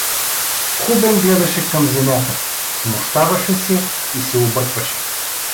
Хубен гледаше към земята, смущаваше се и се объркваше.